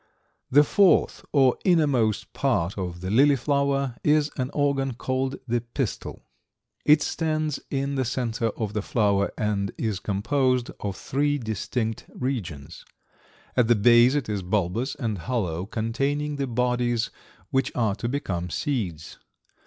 The fourth or innermost part of the lily flower is an organ called the pistil. It stands in the center of the flower and is composed of three distinct regions. At the base it is bulbous and hollow, containing the bodies which are to become seeds.